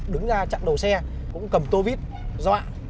đứng ra chặn đầu xe cũng cầm tô vít dọa